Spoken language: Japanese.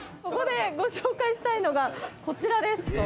ここでご紹介したいのがこちらです。